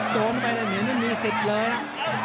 โดนไปแล้วเหนียวมันมีสิทธิ์เลย